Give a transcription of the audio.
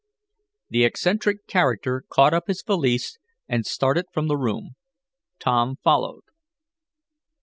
The eccentric character caught up his valise, and started from the room. Tom followed.